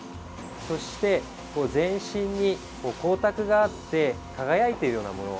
そして、全身に光沢があって輝いているようなもの